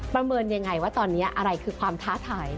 เมินยังไงว่าตอนนี้อะไรคือความท้าทาย